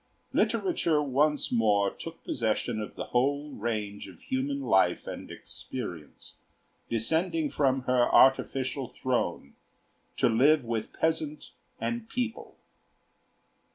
Literature once more took possession of the whole range of human life and experience, descending from her artificial throne to live with peasant and people.